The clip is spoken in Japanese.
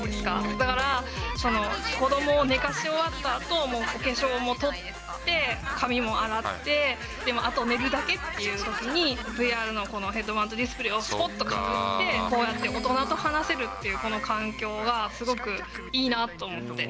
だから、子どもを寝かし終わったあと、もうお化粧も取って、髪も洗って、あと寝るだけっていうときに、ＶＲのこのヘッドマウントディスプレーをすぽっとかぶって、こうやって大人と話せるっていうこの環境がすごくいいなと思って。